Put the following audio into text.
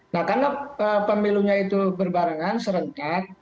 nah karena pemilunya itu berbarengan serentak